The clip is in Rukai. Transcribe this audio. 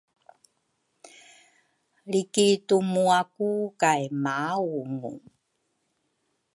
lrikitumuaku kay maaungu.